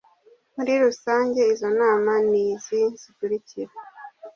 muri rusange izo nama ni izi zikurikira